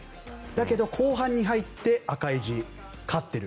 だけど、後半に入って赤い字勝っている。